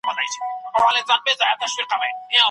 الله تعالی د خاوند او ميرمني لپاره څه ټاکلي دي؟